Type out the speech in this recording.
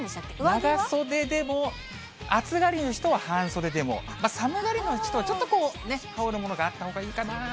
長袖でも、暑がりな人は半袖でも、寒がりの人は、ちょっとこうね、羽織るものがあったほうがいいかな。